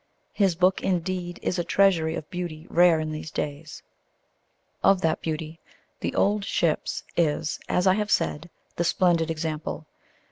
His book, indeed, is a treasury of beauty rare in these days. Of that beauty, The Old Ships is, as I have said, the splendid example.